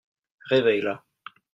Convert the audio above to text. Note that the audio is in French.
Réveille-la.